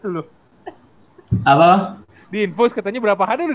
dulu halo di infus katanya berapa hari